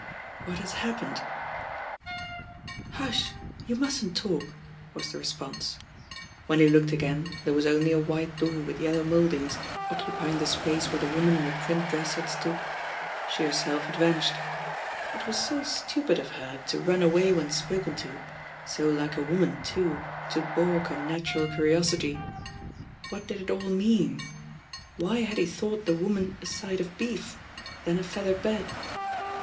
"What has happened?" "Hush I you mustn't talk," was the response! When he looked again there was only a white door with yellow mouldings occupying the space where the woman in the print dress had stood. She herself had vanished. It was so stupid of her to 46 LOST DAYS AND THE DOCTOR «f run away vthen spoken to— so like a woman, too, to baulk a natural curiosity. What did it all mean? Why had he thought the woman a side of beef, then a feather bed?